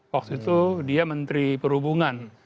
hoax itu dia menteri perhubungan